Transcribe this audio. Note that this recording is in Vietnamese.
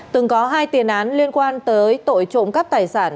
từng có hai tiền án liên quan tới tội trộm cắp tài sản